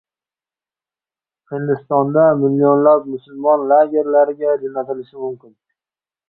Hindistonda millionlab musulmon lagerlarga jo‘natilishi mumkin